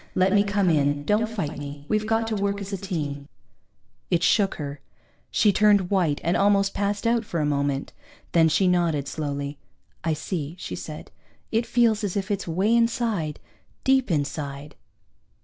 Let me come in, don't fight me. We've got to work as a team._ It shook her. She turned white and almost passed out for a moment. Then she nodded, slowly. "I see," she said. "It feels as if it's way inside, deep inside."